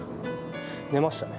寝ましたね。